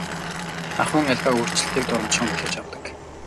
Ахуйн аливаа өөрчлөлтийг дурамжхан хүлээж авдаг.